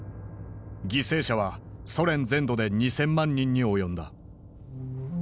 犠牲者はソ連全土で２，０００万人に及んだ。